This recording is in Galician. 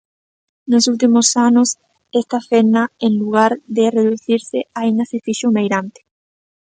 Nos últimos anos esta fenda en lugar de reducirse aínda se fixo meirande.